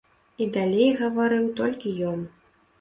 І далей гаварыў толькі ён.